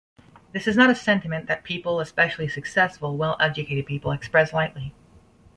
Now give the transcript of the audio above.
This is not a sentiment that people, especially successful, well-educated people, express lightly.